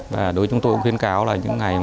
đối với chúng tôi cũng khuyên cáo là những ngày